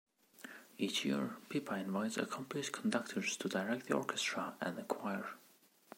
Each year, Pippa invites accomplished conductors to direct the orchestra and the choir.